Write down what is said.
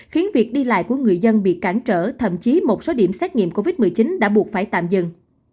khiến việc đi lại của người dân bị cản trở thậm chí một số điểm xét nghiệm covid một mươi chín đã buộc phải tạm dừng